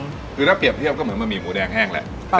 คือถ้าเปรียบเทียบก็เหมือนบะหมี่หมูแดงแห้งแหละ